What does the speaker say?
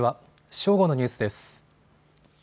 正午のニュースです。